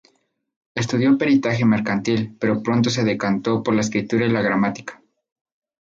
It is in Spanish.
Estudió peritaje mercantil, pero pronto se decantó por la escritura y la gramática.